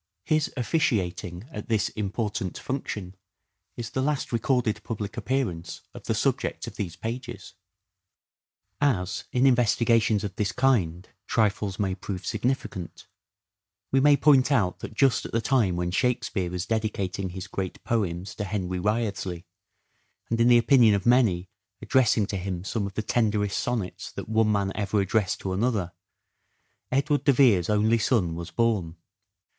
His officiating at this important function is the last recorded public appearance of the subject of these pages. De Vere's As in investigations of this kind trifles may prove son and heir, 51^1^3^ > we mav point out that just at the time when " Shakespeare " was dedicating his great poems to Henry Wriothesley, and, in the opinion of many, addressing to him some of the tenderest sonnets that one man ever addressed to another, Edward de Vere's only son was born.